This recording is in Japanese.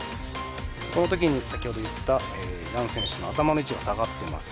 このときにヤン選手の頭の位置が下がっています。